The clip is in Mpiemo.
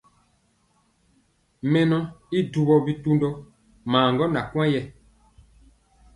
Mɛnɔ i ɗuwɔ bitundɔ maa gɔ na kɔwɔ yɛ.